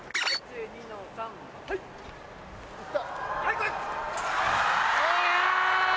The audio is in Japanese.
３はい。いった！